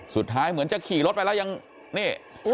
เหมือนจะขี่รถไปแล้วยังนี่